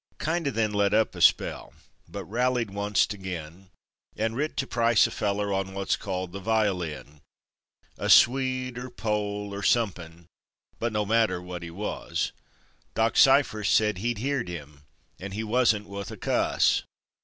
Kindo' then let up a spell but rallied onc't ag'in, And writ to price a feller on what's called the "violin" A Swede, er Pole, er somepin but no matter what he wus, Doc Sifers said he'd heerd him, and he wusn't wuth a kuss!